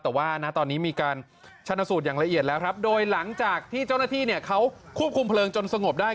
แต่ว่านะตอนนี้มีการชนะสูตรอย่างละเอียดแล้วครับโดยหลังจากที่เจ้าหน้าที่เนี่ยเขาควบคุมเพลิงจนสงบได้